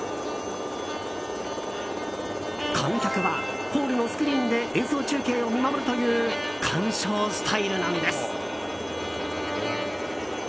観客はホールのスクリーンで演奏中継を見守るという鑑賞スタイルなんです。